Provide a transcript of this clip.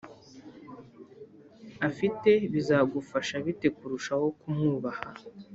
Afite bizagufasha bite kurushaho kumwubaha